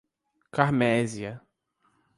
Carmésia